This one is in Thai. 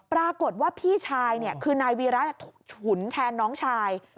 ปรากฏว่าพี่ชายเนี่ยคือนายวีรพงษ์ถูกหุนแทนน้องชาย